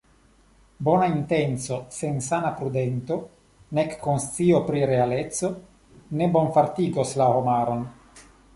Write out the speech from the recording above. Bona intenco sen sana prudento, nek konscio pri realeco, ne bonfartigos la homaron.